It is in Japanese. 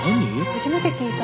初めて聞いた。